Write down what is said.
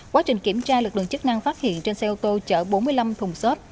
quá trình kiểm tra lực lượng chức năng phát hiện trên xe ô tô chở bốn mươi năm thùng xốp